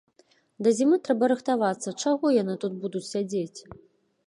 Да зімы трэба рыхтавацца, чаго яны тут будуць сядзець?